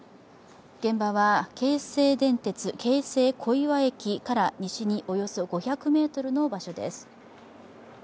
現場は京成電鉄・京成小岩駅から西におよそ５００ｍの場所です。